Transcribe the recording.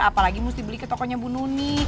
apalagi mesti beli ke tokonya bu nuni